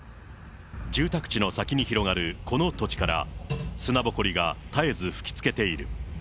住宅地の先に広がるこの土地から、砂ぼこりが絶えず吹きつけている。